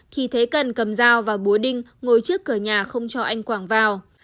khi thấy cần cầm dao và búa đinh ngồi trước cửa nhà không cho anh quảng vào